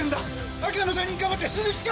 赤の他人かばって死ぬ気か？